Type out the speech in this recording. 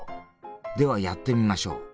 ではやってみましょう。